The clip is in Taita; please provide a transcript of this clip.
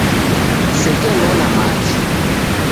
Kusekenona machi .